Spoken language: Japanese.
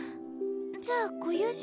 じゃあご友人？